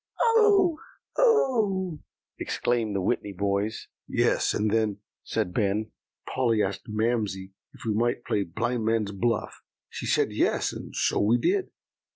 "Oh! oh!" exclaimed the Whitney boys. "Yes; and then," said Ben, "Polly asked Mamsie if we might play Blindman's Buff; she said yes and so we did."